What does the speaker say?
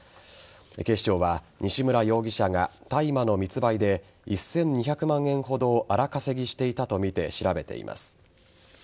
警視庁は西村容疑者が大麻の密売で１２００万円ほどを荒稼ぎしていたとみて調べています。